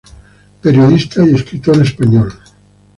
Periodista y escritor español.